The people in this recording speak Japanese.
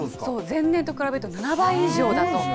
前年と比べると７倍以上だと。